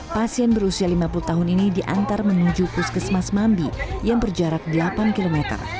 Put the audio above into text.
pasien berusia lima puluh tahun ini diantar menuju puskesmas mambi yang berjarak delapan km